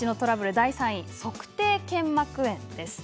第３位足底腱膜炎です。